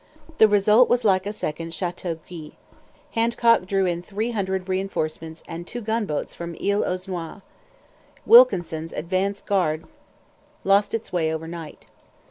The result was like a second Chateauguay. Handcock drew in three hundred reinforcements and two gunboats from Isle aux Noix. Wilkinson's advanced guard lost its way overnight.